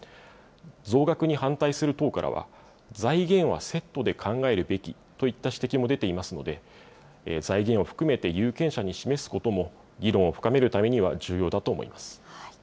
増額に反対する党からは、財源はセットで考えるべきといった指摘も出ていますので、財源を含めて有権者に示すことも、議論を深めるためには重要だと思います。